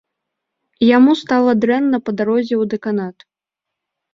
Яму стала дрэнна па дарозе ў дэканат.